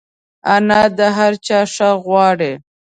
انا د هر چا ښه غواړي